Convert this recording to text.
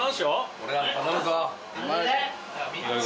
俺らも頼むぞ。